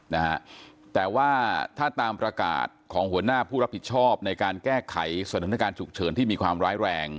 นะฮะแต่ว่าถ้าตามประกาศของหัวหน้าผู้รับผิดชอบในการแก้ไขสถานการณ์ฉุกเฉินที่มีความร้ายแรง